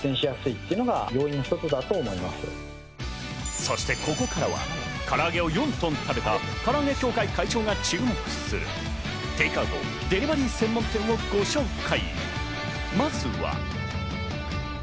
そしてここからは、からあげを４トン食べた、唐揚協会会長が注目するテイクアウト・デリバリー専門店をご紹介。